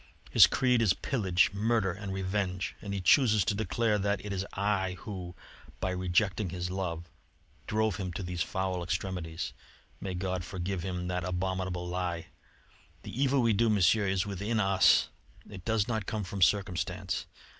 His creed is pillage, murder, and revenge; and he chooses to declare that it is I who, by rejecting his love, drove him to these foul extremities. May God forgive him that abominable lie! The evil we do, Monsieur, is within us; it does not come from circumstance.